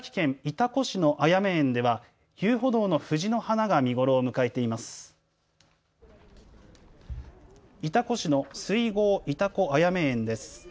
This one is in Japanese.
潮来市の水郷潮来あやめ園です。